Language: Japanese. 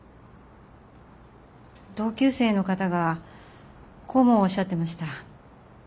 同級生の方がこうもおっしゃってました。